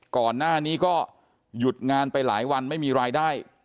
ก่อนหน้านี้ก็หยุดงานไปหลายวันไม่มีรายได้